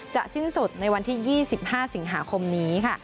สิ้นสุดในวันที่๒๕สิงหาคมนี้ค่ะ